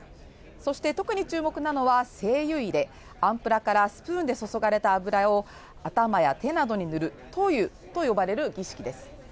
そして、特に注目なのは、聖油入れアンプラからスプーンで注がれた油を頭や手などに塗る塗油と呼ばれる儀式です。